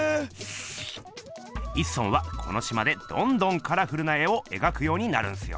一村はこのしまでどんどんカラフルな絵をえがくようになるんすよ。